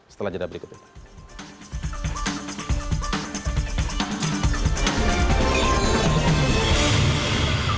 setelah jadwal berikutnya